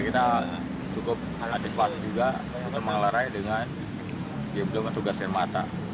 kita cukup antisipasi juga mengelarai dengan tugas air mata